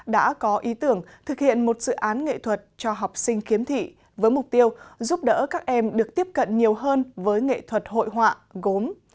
đã có ý tưởng thực hiện một dự án nghệ thuật cho học sinh khiếm thị với mục tiêu giúp đỡ các em được tiếp cận nhiều hơn với nghệ thuật hội họa gốm